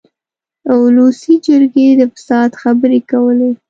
د اولسي جرګې د فساد خبرې کولې.